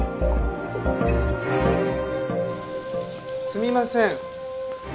すみません。